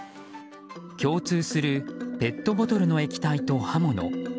共通するペットボトルの液体と刃物。